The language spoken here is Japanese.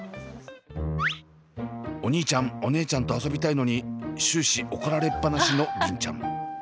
お兄ちゃんお姉ちゃんと遊びたいのに終始怒られっ放しの梨鈴ちゃん。